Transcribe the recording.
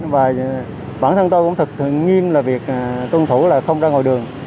và bản thân tôi cũng thật nghiêm là việc tuân thủ là không ra ngoài đường